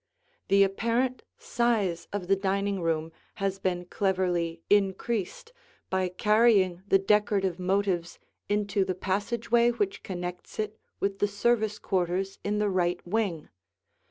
The apparent size of the dining room has been cleverly increased by carrying the decorative motives into the passageway which connects it with the service quarters in the right wing.